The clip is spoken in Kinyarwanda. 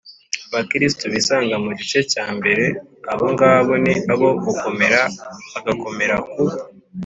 abakristu bisanga mu gice cya mbere, abo ngabo ni abo gukomera bagakomera ku